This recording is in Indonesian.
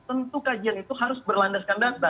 tentu kajian itu harus berlandaskan data